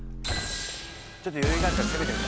ちょっと余裕があるから攻めてみた。